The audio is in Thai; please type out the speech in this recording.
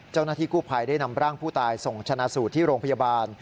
เจ้าหน้าที่กู้ภัยได้นำร่างผู้ตายส่งชนะสูตรที่โรงพยาบาล